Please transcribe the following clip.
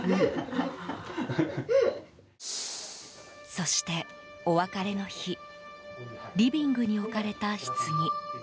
そして、お別れの日リビングに置かれたひつぎ。